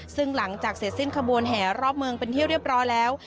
ซึ่งหลังจากเสร็จสิ้นขบวนแห่รอบเมืองเป็นที่เรียบร้อยแล้ว